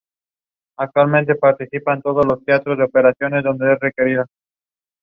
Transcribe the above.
Su obra promueve la conciencia individual y social, busca un cambio.